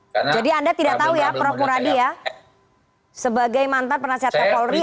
jadi anda tidak tahu ya prof kuradi ya sebagai mantan penasihatnya polri